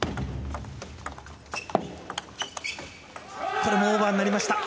これもオーバーになりました。